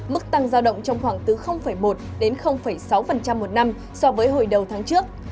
mức tăng giao động trong khoảng từ một đến sáu một năm so với hồi đầu tháng trước